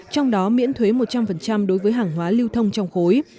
trong đó miễn thuế một trăm linh đối với hàng hóa lưu thông trong khối